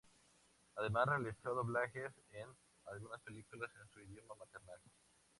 Además realizó doblajes en algunas películas en su idioma maternal.